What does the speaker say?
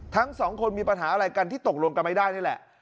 ทั้งสองคนมีปัญหาอะไรกันที่ตกลงกันไม่ได้นี่แหละ